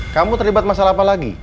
kamu terlibat masalah apa lagi